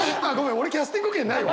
俺キャスティング権ないわ。